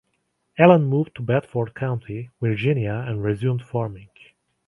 Allen moved to Bedford County, Virginia and resumed farming.